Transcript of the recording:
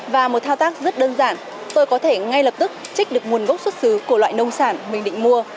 và một thao tác rất đơn giản tôi có thể ngay lập tức trích được nguồn gốc xuất xứ của loại nông sản mình định mua